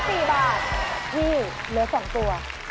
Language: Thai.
พี่เหลือ๒ตัว